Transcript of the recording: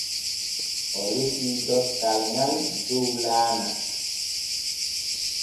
O resii dokkal ŋal dow laana.